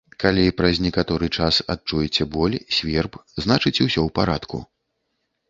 Калі праз некаторы час адчуеце боль, сверб, значыць, усё ў парадку!